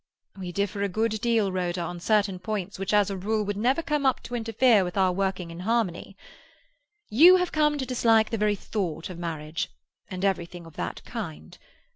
"We differ a good deal, Rhoda, on certain points which as a rule would never come up to interfere with our working in harmony. You have come to dislike the very thought of marriage—and everything of that kind.